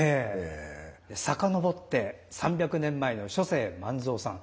遡って３００年前の初世万蔵さん